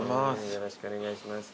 よろしくお願いします。